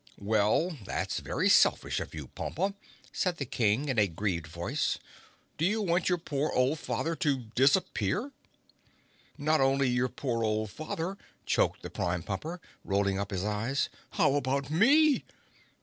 "Well, that's very selfish of you, Pompa," said the King in a grieved voice. "Do you want your poor old father to disappear?" "Not only your poor old father," choked the Prime Pumper, rolling up his eyes. "How about me?"